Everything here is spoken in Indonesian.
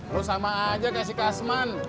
lo sama aja kayak si kasman